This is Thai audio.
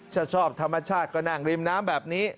ถ้าชอบธรรมชาติก็นั่งริมน้ำแบบนี้